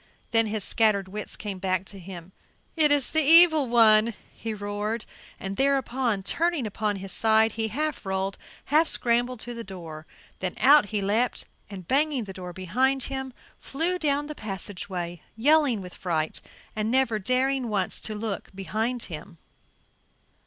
Then his scattered wits came back to him. "It is the evil one," he roared. And thereupon, turning upon his side, he half rolled, half scrambled to the door. Then out he leaped and, banging it to behind him, flew down the passageway, yelling with fright and never daring once to look behind him.